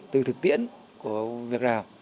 từ thực tiễn của việt nam